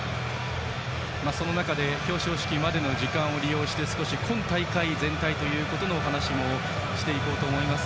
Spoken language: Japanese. その中で表彰式までの時間を利用して少し今大会全体のお話もしていこうと思います。